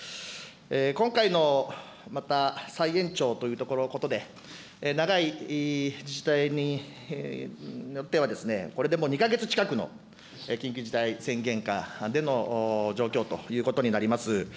今回のまた再延長ということで、長い自治体によってはこれでもう２か月近くの緊急事態宣言下での状況ということになります。